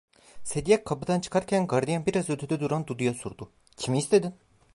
Sedye kapıdan çıkarken gardiyan biraz ötede duran Dudu'ya sordu: "Kimi istedin?"